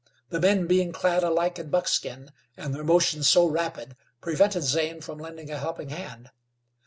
The men being clad alike in buckskin, and their motions so rapid, prevented Zane from lending a helping hand.